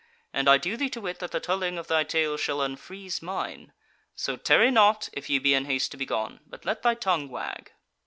And I do thee to wit that the telling of thy tale shall unfreeze mine; so tarry not, if ye be in haste to be gone, but let thy tongue wag."